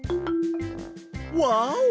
ワオ！